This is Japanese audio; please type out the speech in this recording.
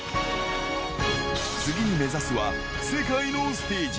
次に目指すは、世界のステージ。